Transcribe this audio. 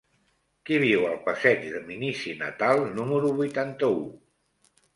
Qui viu al passeig de Minici Natal número vuitanta-u?